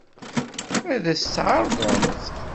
Ad as-tt-tɛeṛḍemt?